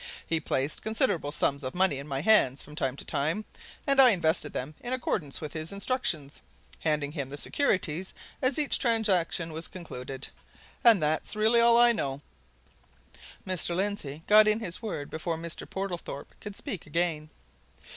He placed considerable sums of money in my hands from time to time, and I invested them in accordance with his instructions, handing him the securities as each transaction was concluded. And that's really all I know." Mr. Lindsey got in his word before Mr. Portlethorpe could speak again.